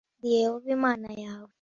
Ndi Yehova Imana yawe